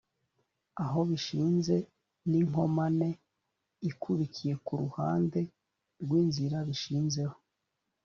aho bishinze n inkomane ikurikiye ku ruhande rw inzira bishinzeho